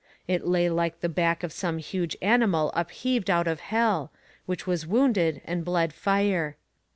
It lay like the back of some huge animal upheaved out of hell, which was wounded and bled fire.